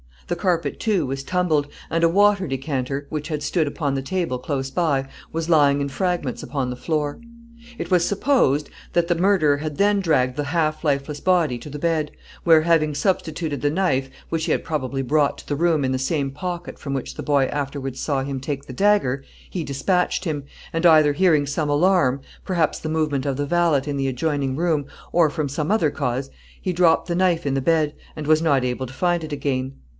The carpet, too, was tumbled, and a water decanter, which had stood upon the table close by, was lying in fragments upon the floor. It was supposed that the murderer had then dragged the half lifeless body to the bed, where, having substituted the knife, which he had probably brought to the room in the same pocket from which the boy afterwards saw him take the dagger, he dispatched him; and either hearing some alarm perhaps the movement of the valet in the adjoining room, or from some other cause he dropped the knife in the bed, and was not able to find it again.